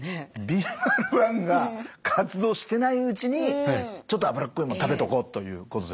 ビーマル１が活動してないうちにちょっと脂っこいもの食べとこうということで。